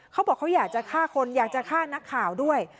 เขาบอกเขาอยากจะฆ่าคนอยากจะฆ่านักข่าวด้วย